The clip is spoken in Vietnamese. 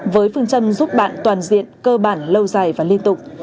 với phương châm giúp bạn toàn diện cơ bản lâu dài và liên tục